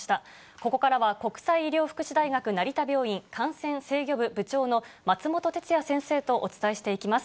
ここからは、国際医療福祉大学成田病院感染制御部部長の松本哲哉先生とお伝えしていきます。